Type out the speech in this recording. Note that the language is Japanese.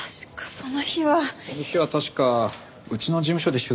その日は確かうちの事務所で取材を。